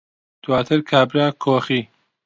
دواتر کابرا کۆخی